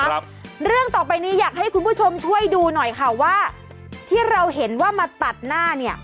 ครับเรื่องต่อไปนี้อยากให้คุณผู้ชมช่วยดูหน่อยค่ะว่าที่เราเห็นว่ามาตัดหน้าเนี่ย